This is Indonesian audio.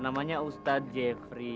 namanya ustad jeffrey